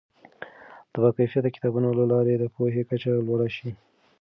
د باکیفیته کتابونو له لارې د پوهې کچه لوړه شي.